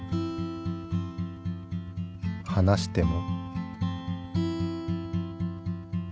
離しても。